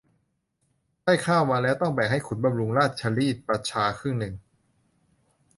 ได้ข้าวมาแล้วต้องแบ่งให้ขุนบำรุงราชรีดประชาครึ่งหนึ่ง